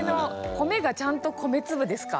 米がちゃんと米粒ですか？